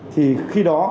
thì khi đó